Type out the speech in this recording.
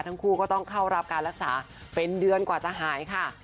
ทั้งคู่ก็ต้องเข้ารับการรักษาเป็นเดือนกว่าจะหายค่ะ